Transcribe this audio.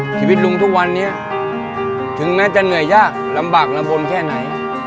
ชีวิตลุงทุกวันนี้ถึงน่าจะเหนื่อยยากลำบากระบวนเท่านั้น